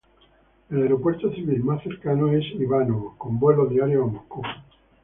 El aeropuerto civil más cercano es Ivánovo, con vuelos diarios a Moscú.